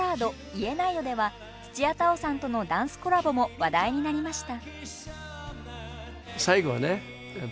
「言えないよ」では土屋太鳳さんとのダンスコラボも話題になりました。